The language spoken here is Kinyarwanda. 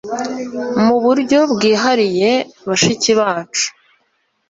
mu buryo bwihariye, bashiki bacu